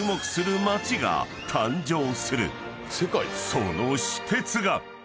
［その私鉄が］